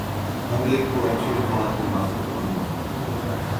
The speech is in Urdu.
ہر ایک کو اچھے الفاظ میں یاد کرتا ہوں